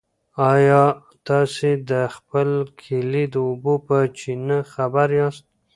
ایا تاسي د خپل کلي د اوبو په چینه خبر یاست؟